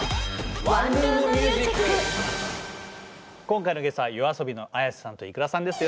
今今回のゲストはＹＯＡＳＯＢＩのＡｙａｓｅさんとｉｋｕｒａさんです。